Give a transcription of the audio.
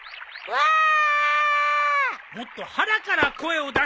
わあ！